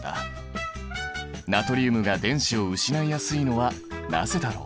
ナトリウムが電子を失いやすいのはなぜだろう？